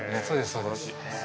そうです